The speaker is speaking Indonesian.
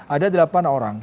ada delapan orang